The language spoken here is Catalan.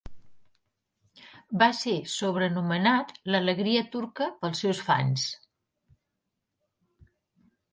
Va ser sobrenomenat "L'alegria turca" pels seus fans.